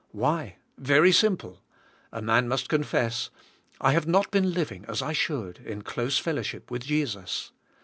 Why, very simple. A man must confess, "I have not been living* as I should, in close fellowship with Jesus.